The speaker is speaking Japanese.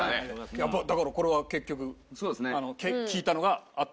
やっぱだからこれは結局聞いたのが合った。